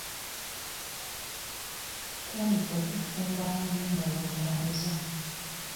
Tandika okufumba amagi nga bw'otambuza.